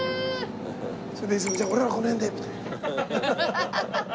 それでいつも「俺はこの辺で」みたいな。